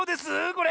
これ。